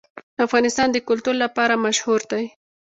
افغانستان د کلتور لپاره مشهور دی.